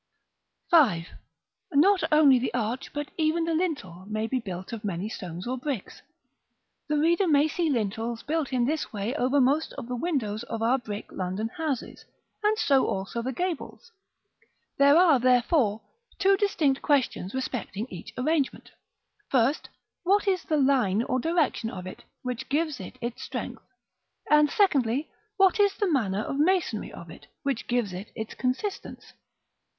§ V. Not only the arch, but even the lintel, may be built of many stones or bricks. The reader may see lintels built in this way over most of the windows of our brick London houses, and so also the gable: there are, therefore, two distinct questions respecting each arrangement; First, what is the line or direction of it, which gives it its strength? and, secondly, what is the manner of masonry of it, which gives it its consistence?